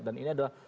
dan ini adalah